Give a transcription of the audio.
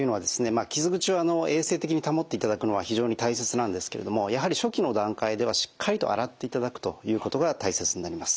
まあ傷口を衛生的に保っていただくのは非常に大切なんですけれどもやはり初期の段階ではしっかりと洗っていただくということが大切になります。